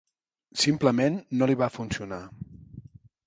Simplement no li va funcionar.